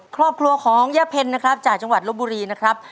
ครอบครัวของย่าเพ็ญนะครับจากจังหวัดลบบุรีนะครับ